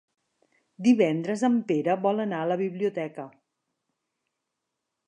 Divendres en Pere vol anar a la biblioteca.